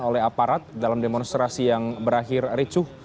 oleh aparat dalam demonstrasi yang berakhir ricuh